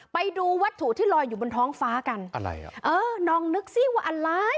ไปดูวัตถุที่ลอยอยู่บนท้องฟ้ากันอะไรอ่ะเออลองนึกสิว่าอะไร